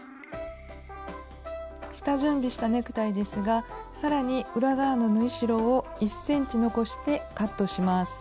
下準備したネクタイですがさらに裏側の縫い代を１ｃｍ残してカットします。